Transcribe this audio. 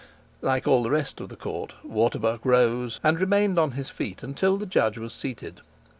Like all the rest of the court, Waterbuck rose, and remained on his feet until the judge was seated.